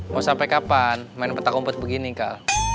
mau sampai kapan main petak kumpet begini kal